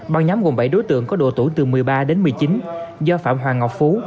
băng nhóm gồm bảy đối tượng có độ tuổi từ một mươi ba đến một mươi chín do phạm hoàng ngọc phú